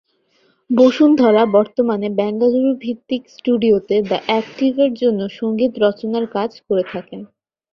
বসুন্ধরা বর্তমানে বেঙ্গালুরু ভিত্তিক স্টুডিওতে 'দ্য অ্যাকটিভ'-এর জন্য সংগীত রচনার কাজ করে থাকেন।